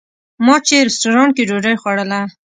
ما چې رسټورانټ کې ډوډۍ خوړله.